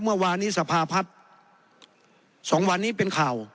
เมื่อวานนี้สภาพัฒน์๒วันนี้เป็นข่าว